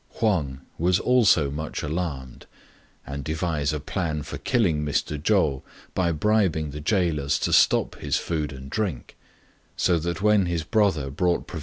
Huang was also much alarmed, and devised a plan for killing Mr. Chou by bribing the gaolers to stop his food and drink ; so that when his brother brought provisions he 5 See No.